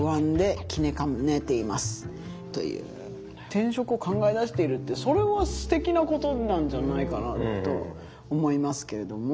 転職を考えだしているってそれはすてきなことなんじゃないかなと思いますけれども。